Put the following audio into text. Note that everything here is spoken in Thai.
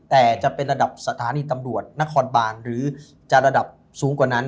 แต่จะเป็นระดับสถานีตำรวจนครบานหรือจะระดับสูงกว่านั้น